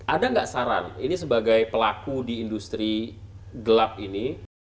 ada nggak saran ini sebagai pelaku di industri gelap ini